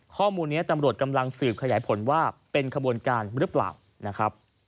ข้อมูลนี้ตำรวจกำลังสืบขยายผลว่าเป็นขบวนการหรือเปล่านะครับ